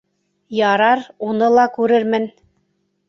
— Ярар, уны ла күрермен.